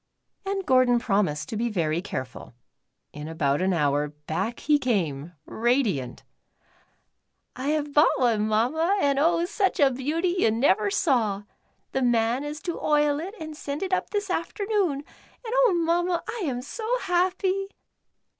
And Gordon promised to be very careful. In about an hour back he came, radiant. " I have bought one. Mamma, and oh, such a beauty you never saw. The man is to oil it and send it up this afternoon, and oh. Mamma, I am so happy."